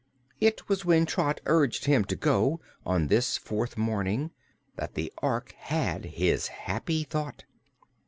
It was when Trot urged him to go, on this fourth morning, that the Ork had his happy thought.